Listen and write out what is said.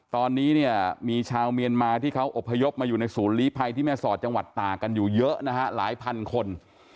ตอนนี้เนี่ยมีชาวเมียนมาที่เขาอบพยพมาอยู่ในศูนย์ลีภัยที่แม่สอดจังหวัดตากันอยู่เยอะนะฮะหลายพันคน